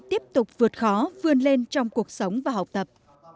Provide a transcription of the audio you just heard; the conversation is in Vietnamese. tiếp tục vượt khó vươn lên trong cuộc sống và học tập